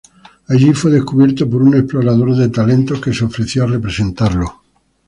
Allí fue descubierto por un explorador de talentos, que se ofreció a representarlo.